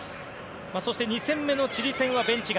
そして２戦目のチリ戦はベンチ外。